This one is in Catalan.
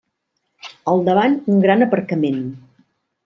Al davant un gran aparcament.